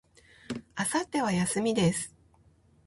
明後日は、休みです。